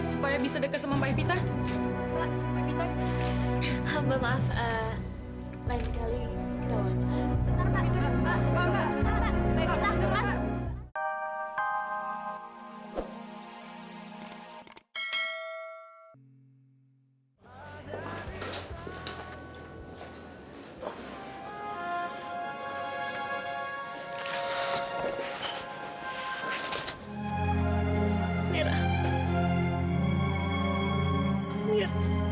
sampai jumpa di video selanjutnya